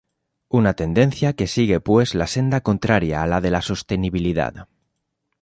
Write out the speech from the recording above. Una tendencia que sigue pues la senda contraria a la de la sostenibilidad.